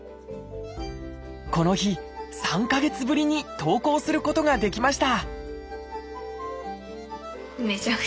この日３か月ぶりに登校することができました